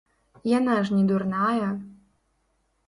Яна ж не дурная.